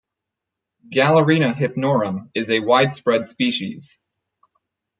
"Galerina hypnorum" is a widespread species.